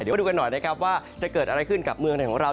เดี๋ยวมาดูกันหน่อยนะครับว่าจะเกิดอะไรขึ้นกับเมืองไทยของเรา